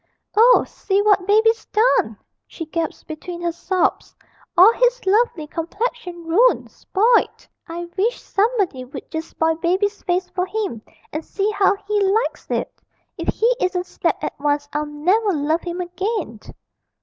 'Oh, see what Baby's done!' she gasped between her sobs; 'all his lovely complexion ruined, spoilt ... I wish somebody would just spoil Baby's face for him, and see how he likes it.... If he isn't slapped at once I'll never love him again!'